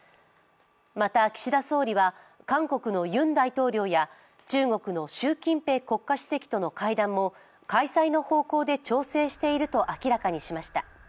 また、岸田総理は韓国のユン大統領や中国の習近平国家主席との会談も開催の方向で調整していると明らかにしました。